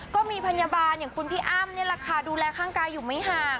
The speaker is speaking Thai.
ก็มีพยาบาลอย่างคุณพี่อ้ำนี่แหละค่ะดูแลข้างกายอยู่ไม่ห่าง